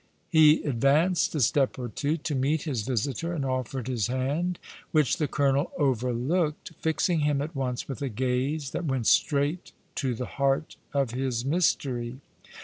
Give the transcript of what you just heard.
He advanced a step or two to meet his "visitor, and offered his hand, which the colonel overlooked, fixing him at once with a gaze that went straight to the heart of his mystery.